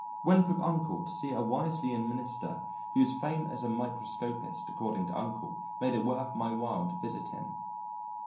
Went with Uncle to see a Wesleyan minister whose fame as a microscopist, according to Uncle, made it worth my while to visit him.